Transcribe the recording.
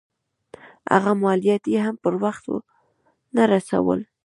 هغه مالیات یې هم پر وخت نه رسول.